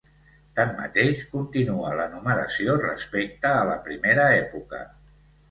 Tanmateix, continua la numeració respecte a la primera època.